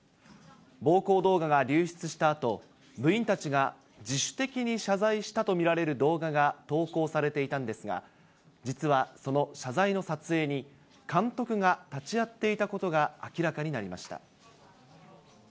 暴行動画が流出したあと、部員たちが自主的に謝罪したとみられる動画が投稿されていたんですが、実は、その謝罪の撮影に、監督が立ち会っていたことが明らかになりました。